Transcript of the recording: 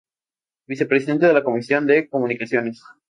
Vicepresidente de la Comisión de Comunicaciones.